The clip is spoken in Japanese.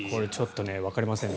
わかりませんね。